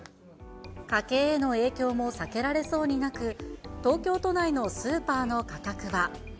家計への影響も避けられそうになく、東京都内のスーパーの価格は。